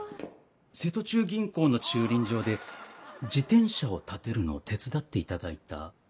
瀬戸中銀行の駐輪場で自転車を立てるの手伝っていただいた。